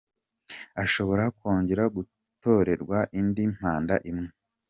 Ashobora kongera gutorerwa indi manda imwe.